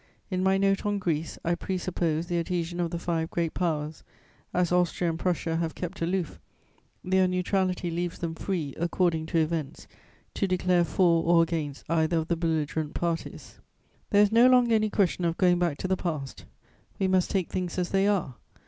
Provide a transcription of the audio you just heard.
"In my Note on Greece, I presupposed the adhesion of the five Great Powers; as Austria and Prussia have kept aloof, their neutrality leaves them free, according to events, to declare for or against either of the belligerent parties. "There is no longer any question of going back to the past, we must take things as they are.